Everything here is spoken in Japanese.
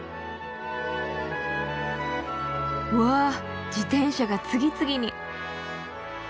うわ自転車が次々に。